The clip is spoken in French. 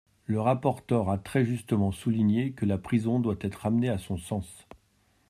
Le rapporteur a très justement souligné que la prison doit être ramenée à son sens.